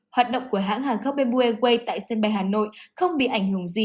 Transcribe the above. hoạt động của hãng hàng không bamboo airways tại sân bay hà nội không bị ảnh hưởng gì